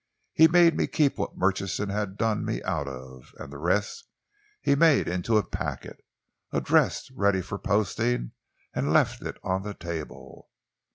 He made me keep what Murchison had done me out of, and the rest he made into a packet, addressed ready for posting and left it on the table.